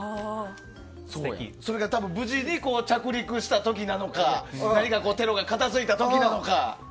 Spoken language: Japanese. それが多分、無事に着陸した時なのかテロが片付いた時なのか。